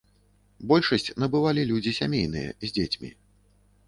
Большасць набывалі людзі сямейныя, з дзецьмі.